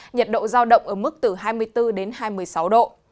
nhiệt độ giao động ở mức từ hai mươi bốn đến hai mươi sáu độ